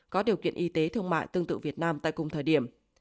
có điều kiện y tế thương mại tương tự việt nam tại cùng thời điểm